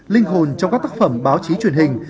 linh hồn trong các tác phẩm báo chí truyền hình